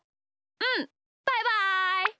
うんバイバイ。